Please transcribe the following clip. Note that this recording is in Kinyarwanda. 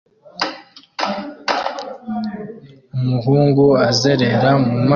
Umuhungu azerera mu mazi